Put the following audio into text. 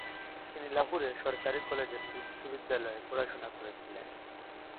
তিনি লাহোরের সরকারী কলেজ বিশ্ববিদ্যালয়ে পড়াশোনা করেছিলেন।